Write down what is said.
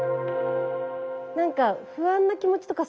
何か不安な気持ちとか